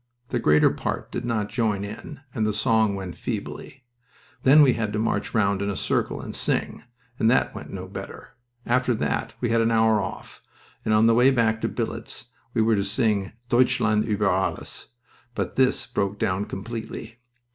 The greater part did not join in, and the song went feebly. Then we had to march round in a circle and sing, and that went no better. After that we had an hour off, and on the way back to billets we were to sing 'Deutschland uber Alles,' but this broke down completely.